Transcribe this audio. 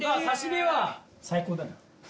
刺し身は最高だな。